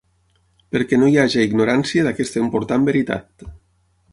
Perquè no hi haja ignorància d'aquesta important veritat.